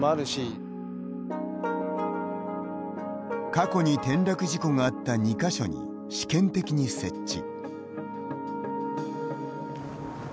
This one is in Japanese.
過去に転落事故があった２か所に試験的に設置。